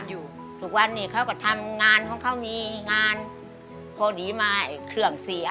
อยู่วันนี้เขาก็ทำงานเขามีงานผิวนี้มาขื่องเสีย